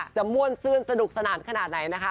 ม่วนซื่นสนุกสนานขนาดไหนนะคะ